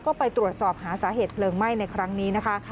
ก็ไปตรวจสอบหาสาเหตุเพลิงไหม้ในครั้งนี้นะคะ